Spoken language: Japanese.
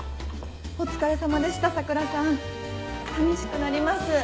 お疲れさまでした桜さん寂しくなります。